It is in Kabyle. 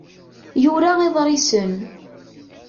yura iḍrisen.